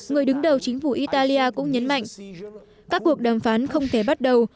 người đứng đầu chính phủ italia cũng nhấn mạnh các cuộc đàm phán không thể bắt đầu